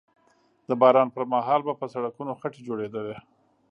د باران پر مهال به په سړکونو خټې جوړېدلې